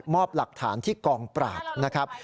หลักฐานที่กองปราบนะครับ